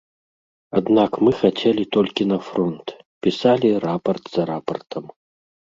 Аднак мы хацелі толькі на фронт, пісалі рапарт за рапартам.